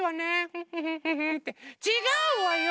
フッフフフフ。ってちがうわよ！